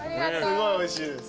すごいおいしいです。